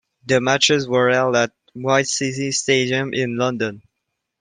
The matches were held at White City Stadium in London.